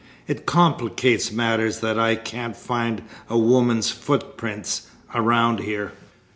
It complicates matters that I can't find a woman's footprints around here.